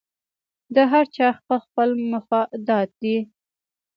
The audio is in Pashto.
د هر چا خپل خپل مفادات دي